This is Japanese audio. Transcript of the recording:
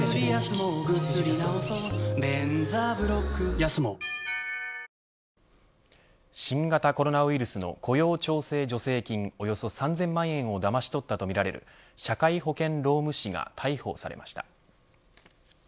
東芝新型コロナウイルスの雇用調整助成金、およそ３０００万円をだまし取ったとみられる社会保険労務士が逮捕されました。